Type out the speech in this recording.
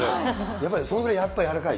やっぱりそのくらい柔らかい？